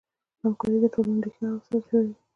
همکاري د ټولنې ریښه او اساس جوړوي.